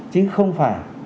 chứ không phải